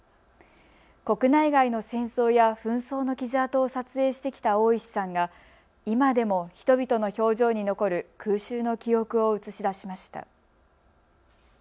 国内外の戦争や紛争の傷痕を撮影してきた大石さんが今でも人々の表情に残る空襲の記憶を映し出しました。